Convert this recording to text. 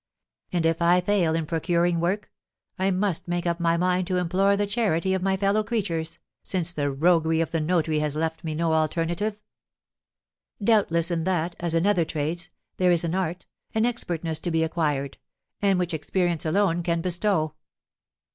And if I fail in procuring work, I must make up my mind to implore the charity of my fellow creatures, since the roguery of the notary has left me no alternative. Doubtless in that, as in other trades, there is an art, an expertness to be acquired, and which experience alone can bestow.